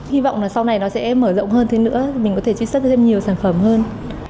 hy vọng là sau này nó sẽ mở rộng hơn thế nữa mình có thể truy xuất thêm nhiều sản phẩm hơn